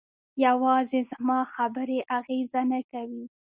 یوازې زما خبرې اغېزه نه کوي.